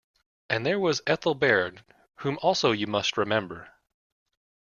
And there was Ethel Baird, whom also you must remember.